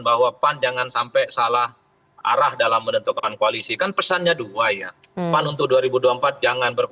bahwa pan jangan sampai salah arah dalam menentukan koalisi kan pesannya dua ya pan untuk dua ribu dua puluh empat jangan